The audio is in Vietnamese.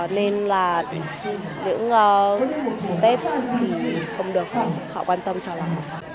nên là những tết thì không được họ quan tâm cho lắm